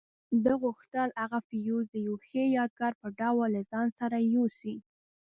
ده غوښتل هغه فیوز د یوې ښې یادګار په ډول له ځان سره یوسي.